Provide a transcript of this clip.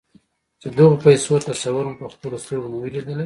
چې د غو پيسو تصور مو پهخپلو سترګو نه وي ليدلی.